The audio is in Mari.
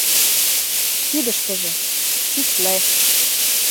Кидыштыже. — кӱсле.